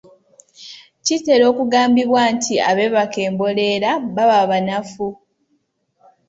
Kitera okugambibwa nti abeebaka emboleera baba banafu!